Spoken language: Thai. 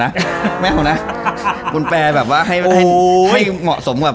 ไม่เอานะคุณแปรแบบว่าให้เหมาะสมกับ